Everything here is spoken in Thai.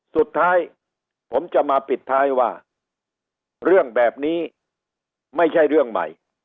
สุดท้ายผมจะมาปิดท้ายว่าเรื่องแบบนี้ไม่ใช่เรื่องใหม่